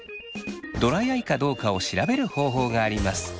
ドライアイかどうかを調べる方法があります。